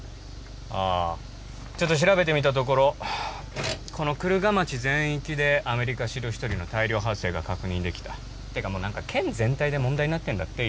ああちょっと調べてみたところこの久瑠賀町全域でアメリカシロヒトリの大量発生が確認できたってかもう何か県全体で問題になってんだって